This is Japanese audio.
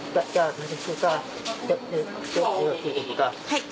はい